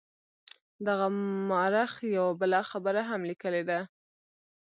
دغه مورخ یوه بله خبره هم لیکلې ده.